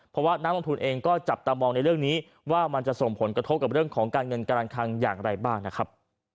เพราะว่านักลงทุนเองก็จับตามองในเรื่องนี้ว่ามันจะส่งผลกระทบกับเรื่องของการเงินการคังอย่างไรบ้างนะครับ